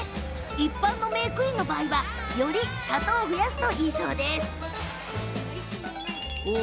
一般のメークイーンの場合はより砂糖を増やすといいそうです。